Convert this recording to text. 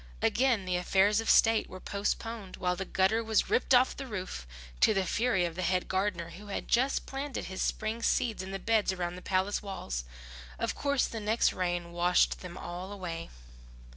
Again the affairs of state were postponed while the gutter was ripped off the roof, to the fury of the head gardener, who had just planted his spring seeds in the beds around the palace walls. Of course the next rain washed them all away.